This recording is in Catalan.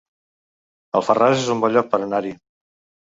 Alfarràs es un bon lloc per anar-hi